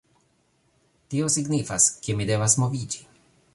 Tio signifas, ke mi devas moviĝi